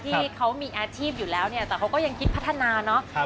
ที่เขามีอาชีพอยู่แล้วเนี่ยแต่เขาก็ยังคิดพัฒนาเนาะ